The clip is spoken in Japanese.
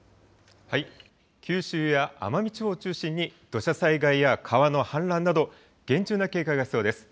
九州や奄美地方を中心に、土砂災害や川の氾濫など、厳重な警戒が必要です。